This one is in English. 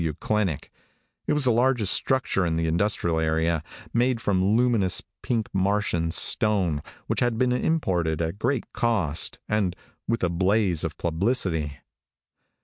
F.W. clinic. It was the largest structure in the industrial area, made from luminous, pink, Martian stone, which had been imported at great cost and with a blaze of publicity.